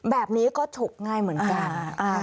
แบบนี้ก็ฉกง่ายเหมือนกัน